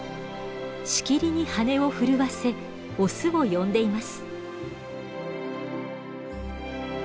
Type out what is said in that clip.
しきりに羽を震わせオスを呼んでいます。